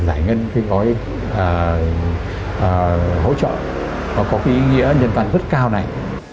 giải ngân cái gói hỗ trợ có cái ý nghĩa nhân toàn rất cao này